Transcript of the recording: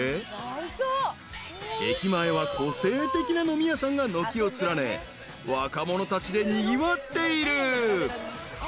［駅前は個性的な飲み屋さんが軒を連ね若者たちでにぎわっている］